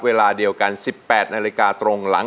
เวลาเดียวกัน๑๘นาฬิกาตรงหลัง